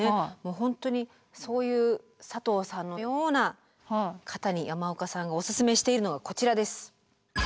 本当にそういう佐藤さんのような方に山岡さんがおすすめしているのがこちらです。